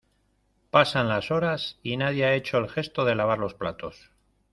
Pasan las horas y nadie ha hecho el gesto de lavar los platos.